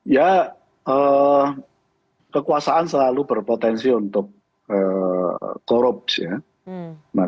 ya kekuasaan selalu berpotensi untuk korupsi ya